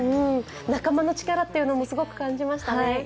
仲間の力っていうのもすごく感じましたね。